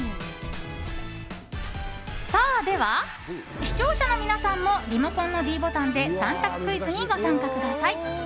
では、視聴者の皆さんもリモコンのｄボタンで３択クイズにご参加ください。